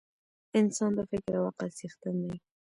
انسان د فکر او عقل څښتن دی.